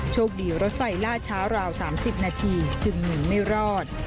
โชคดีรถไฟล่าช้าราว๓๐นาทีจึงหนีไม่รอด